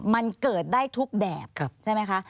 มันเกิดได้ทุกแบบใช่ไหมคะ